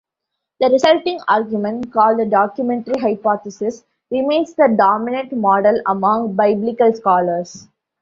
The resulting argument, called the documentary hypothesis, remains the dominant model among biblical scholars.